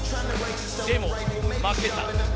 でも、負けた。